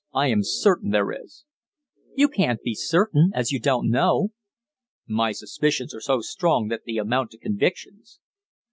I am certain there is." "You can't be certain, as you don't know." "My suspicions are so strong that they amount to convictions."